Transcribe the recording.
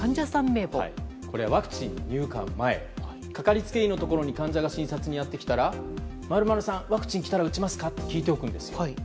これはワクチン入荷前かかりつけ医のところに患者が診察にやってきたら〇〇さんワクチン来たら打ちますか？と聞いておくんです。